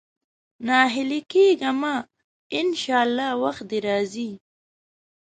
ناهيلی کېږه مه، ان شاءالله وخت دې راځي.